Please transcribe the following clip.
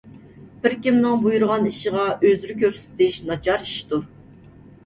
بىر كىمنىڭ بۇيرۇغان ئىشىغا ئۆزرە كۆرسىتىش ناچار ئىشتۇر